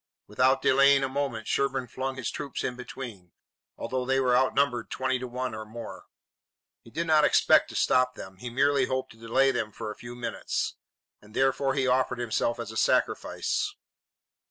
Without delaying a moment, Sherburne flung his troops in between, although they were outnumbered twenty to one or more. He did not expect to stop them; he merely hoped to delay them a few minutes, and therefore he offered himself as a sacrifice.